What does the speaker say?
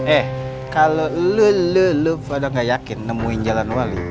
eh kalau lu lu lu pada gak yakin nemuin jalan wali